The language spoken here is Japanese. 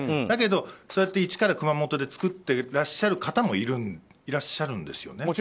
だけど、そうやって、一から熊本で作っていらっしゃる方もいらっしゃるんですよね。